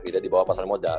di bawah pasar modal